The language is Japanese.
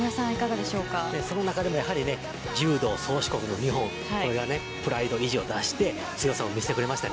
その中でも柔道宗主国の日本はプライド、意地を出して強さを見せてくれました。